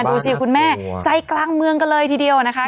ดูสิคุณแม่ใจกลางเมืองกันเลยทีเดียวนะคะ